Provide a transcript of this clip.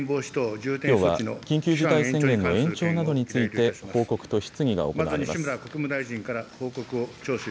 重きょうは緊急事態宣言の延長などについて、報告と質疑が行われます。